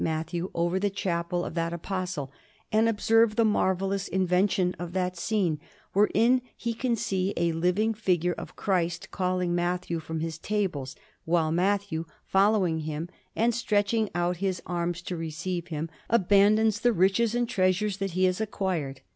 Matthew over the Chapel of that Apostle, and observe the marvellous invention of that scene, wherein he can see a living figure of Christ calling Matthew from his tables, while Matthew, following Him and stretching out his arms to receive Him, abandons the riches and treasures that he has acquired.